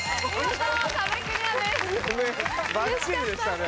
バッチリでしたね。